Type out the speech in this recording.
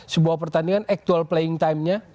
sebuah pertandingan actual playing timenya